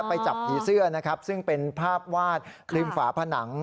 ไปจับผีเสื้อนะครับซึ่งเป็นภาพวาดริมฝาผนัง